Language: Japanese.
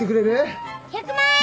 １００万円！